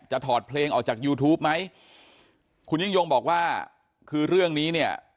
ถอดเพลงออกจากยูทูปไหมคุณยิ่งยงบอกว่าคือเรื่องนี้เนี่ย